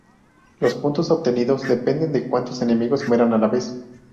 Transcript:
Los puntos obtenidos dependen de cuántos enemigos mueran a la vez.